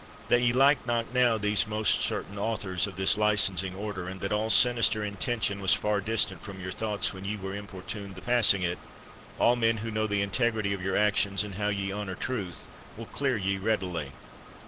That ye like not now these most certain authors of this licensing order, and that all sinister in tention was far distant from your thoughts, when ye were importuned the passing it, all men who know the integrity of your actions, and how ye honor Truth, will clear ye readily.